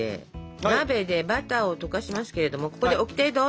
鍋でバターを溶かしますけれどもここでオキテどうぞ！